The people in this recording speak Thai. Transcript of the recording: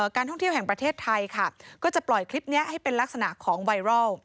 การท่องเที่ยวแห่งประเทศไทยค่ะก็จะปล่อยคลิปนี้ให้เป็นลักษณะของไวรัล